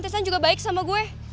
titan juga baik sama gue